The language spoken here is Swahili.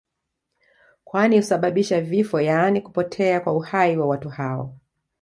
kwani husababisha vifo yaani kupotea kwa uhai wa watu hao